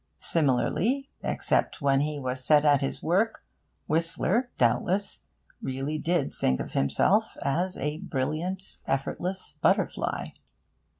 Similarly, except when he was at his work, Whistler, doubtless, really did think of himself as a brilliant effortless butterfly.